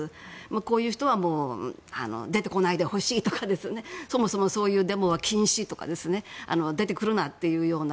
こういう人は出てこないでほしいとかそもそもそういうデモは禁止とか出てくるなという。